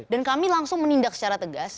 dan kami langsung menindak secara tegas